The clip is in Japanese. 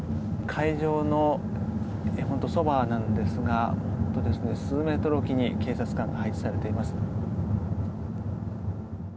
会場のそばなんですが数メートルおきに警察官が配置されています。